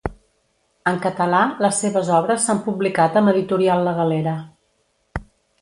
En català les seves obres s'han publicat amb editorial La Galera.